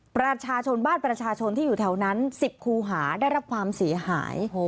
ประชาชนบ้านประชาชนที่อยู่แถวนั้น๑๐คูหาได้รับความเสียหาย